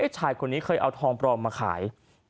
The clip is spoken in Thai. ไอ้ฉายคนนี้ให้เอาทองปรอมมาขาย